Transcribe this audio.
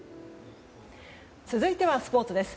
続いてはスポーツです。